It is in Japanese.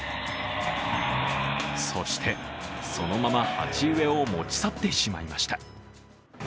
そして、そのまま鉢植えを持ち去ってしまいました。